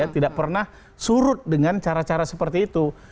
tidak pernah surut dengan cara cara seperti itu